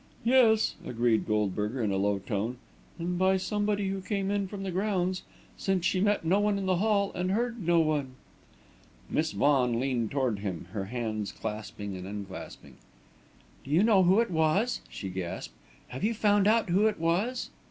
"Yes," agreed Goldberger, in a low tone, "and by somebody who came in from the grounds, since she met no one in the hall and heard no one." Miss Vaughan leaned toward him, her hands clasping and unclasping. "Do you know who it was?" she gasped. "Have you found out who it was?"